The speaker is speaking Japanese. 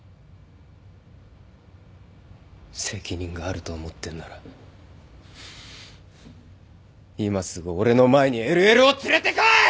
責任があると思ってんなら今すぐ俺の前にＬＬを連れてこい！